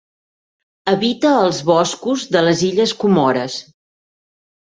Habita els boscos de les illes Comores.